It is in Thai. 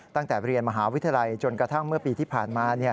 ตั้งแต่เรียนมหาวิทยาลัยจนกระทั่งเมื่อปีที่ผ่านมา